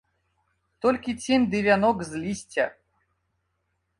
Толькі цень ды вянок з лісця!